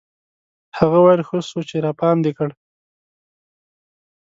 هغه ويل ښه سو چې راپام دي کړ.